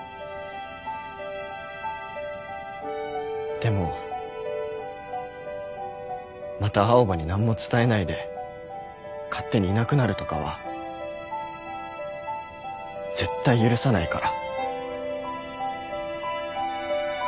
でもまた青羽に何も伝えないで勝手にいなくなるとかは絶対許さないから。